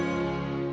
ada atau tidakar